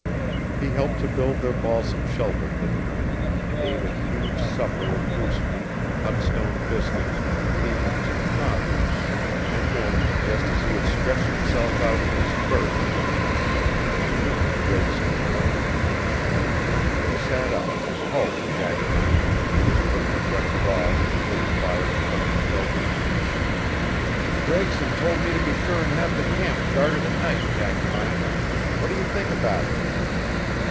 He helped to build their balsam shelter for the night, ate a huge supper of moose meat, hot stone biscuits, beans and coffee, and then, just as he had stretched himself out in his furs for the night, he remembered Gregson's warning. He sat up and called to Jackpine, who was putting a fresh log on the big fire in front of the shelter. "Gregson told me to be sure and have the camp guarded at night, Jackpine. What do you think about it?"